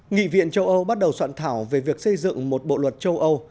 nghị viện châu âu bắt đầu soạn thảo về việc xây dựng một bộ luật châu âu